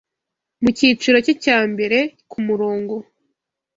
Mu cyiciro cye cya mbere kumurongo